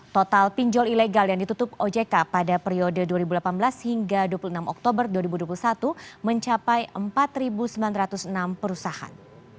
total pinjol ilegal yang ditutup ojk pada periode dua ribu delapan belas hingga dua puluh enam oktober dua ribu dua puluh satu mencapai empat sembilan ratus enam perusahaan